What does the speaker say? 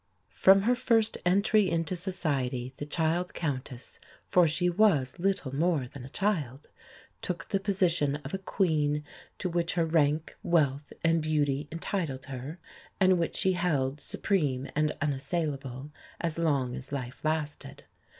From her first entry into society the child countess (for she was little more than a child) took the position of a Queen, to which her rank, wealth, and beauty entitled her, and which she held, supreme and unassailable, as long as life lasted.